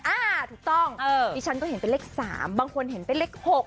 อ่าถูกต้องดิฉันก็เห็นเป็นเลข๓บางคนเห็นเป็นเลข๖